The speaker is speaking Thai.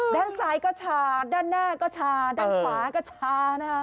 ด้านซ้ายก็ชาด้านหน้าก็ชาด้านขวาก็ชานะคะ